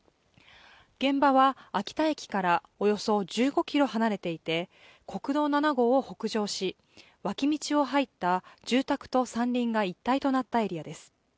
現場は秋田駅からおよそ１５ｋｍ離れていて国道７号を北上し、脇道を入った住宅と山林が一体となったエリアです。